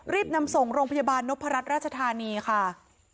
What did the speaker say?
รีบนำส่งโรงพยาบาลนพรัชราชธานีค่ะ